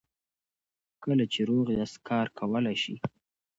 کله چې روغ یاست کار کولی شئ.